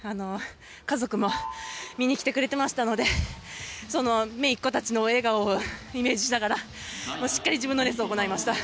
家族も見に来てくれてましたので姪っ子たちの笑顔をイメージしながらしっかり自分のレースを行いました。